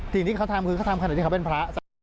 ที่เขาทำคือเขาทำขณะที่เขาเป็นพระ